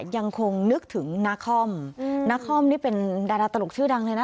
ยังคงนึกถึงนาคอมนาคอมนี่เป็นดาราตลกชื่อดังเลยนะ